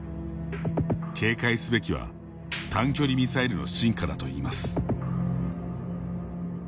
警戒すべきは短距離ミサイルの進化だといいます。